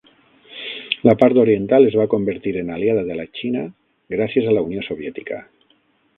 La part oriental es va convertir en aliada de la Xina gràcies a la Unió Soviètica.